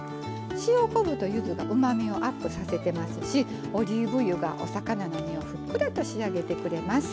塩昆布とゆずがうまみをアップさせていますしオリーブ油がお魚の身をふっくらに仕上げてくれます。